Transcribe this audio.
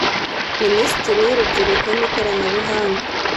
Minisitiri w’urubyiruko n’ikoranabuganga